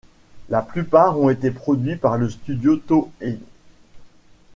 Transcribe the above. La plupart ont été produits par le studio Toei.